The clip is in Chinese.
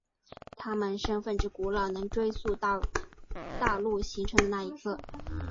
他们身份之古老能追溯到大陆形成的那一刻。